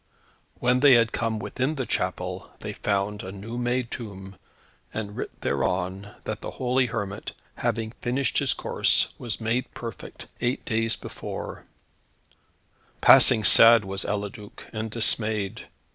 When they had come within the chapel they found a new made tomb, and writ thereon, that the holy hermit having finished his course, was made perfect, eight days before Passing sad was Eliduc, and esmayed.